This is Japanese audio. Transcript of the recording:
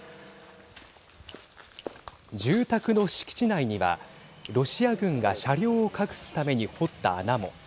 住宅の敷地内にはロシア軍が車両を隠すために掘った穴も。